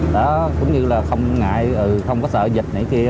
đó cũng như là không ngại không có sợ dịch này kia